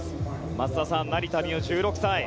松田さん、成田実生、１６歳。